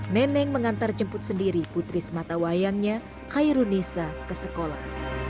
neneng mengantar jemput sendiri putri sematawayangnya khairunisa ke sekolah